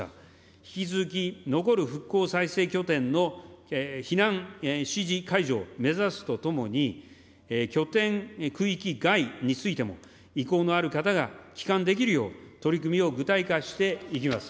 引き続き残る復興再生拠点の避難指示解除を目指すとともに、拠点区域外についても、意向のある方が帰還できるよう取り組みを具体化していきます。